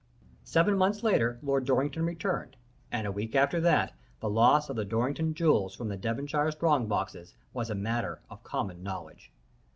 Seven months later, Lord Dorrington returned, and a week after that, the loss of the Dorrington jewels from the Devonshire strong boxes was a matter of common knowledge.